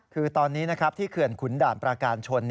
คือตอนนี้ที่เขื่อนขุนด่านประการชน